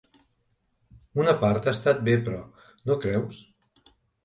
Una part ha estat bé, però, no creus?